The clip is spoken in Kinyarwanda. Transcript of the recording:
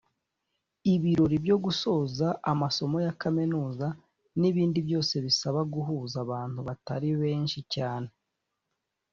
ibirori byo gusoza amasomo ya kaminuza n’ibindi byose bisaba guhuza abantu batari benshi cyane